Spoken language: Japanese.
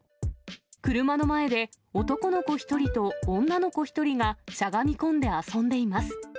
車の前で男の子１人と、女の子１人がしゃがみ込んで遊んでいます。